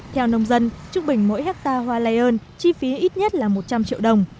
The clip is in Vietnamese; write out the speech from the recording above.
theo nông dân trung bình mỗi hectare hoa lion chi phí ít nhất là một trăm linh triệu đồng